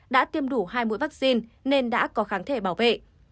đã tiêm đủ hai mũi vaccine nên đã có kháng thể bảo vệ